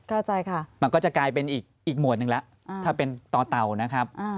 เข้าใจค่ะมันก็จะกลายเป็นอีกอีกหมวดนึงล่ะอื้อถ้าเป็นตเตนะครับ